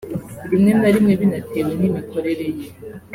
rimwe na rimwe binatewe n’imikorere ye